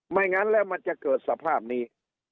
งั้นแล้วมันจะเกิดสภาพนี้